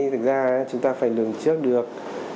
thực ra chúng ta phải lường trước được